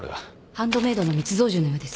ハンドメイドの密造銃のようです。